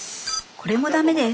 これもダメです。